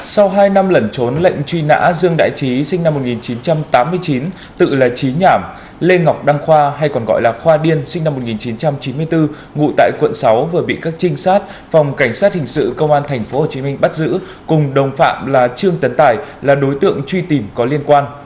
sau hai năm lẩn trốn lệnh truy nã dương đại trí sinh năm một nghìn chín trăm tám mươi chín tự là trí nhảm lê ngọc đăng khoa hay còn gọi là khoa điên sinh năm một nghìn chín trăm chín mươi bốn ngụ tại quận sáu vừa bị các trinh sát phòng cảnh sát hình sự công an tp hcm bắt giữ cùng đồng phạm là trương tấn tài là đối tượng truy tìm có liên quan